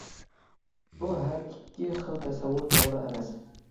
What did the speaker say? بۇ ھەر ئىككى خىل تەسەۋۋۇر توغرا ئەمەس.